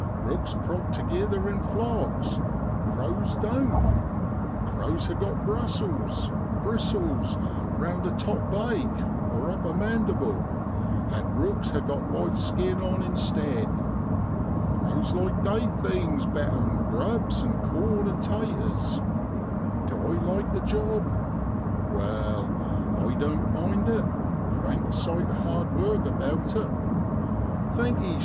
Eooks prog togither in flocks, crows doan't. Crows ha' got brussels (bristles) round the top bake (upper mandible), an' rooks ha' got white skin on instead. Crows like dade things better 'an grubs and corn an' taters. Du I like the job ? Wai, I doan't mind it, there ain't a sight o'hard work about it. Thankee !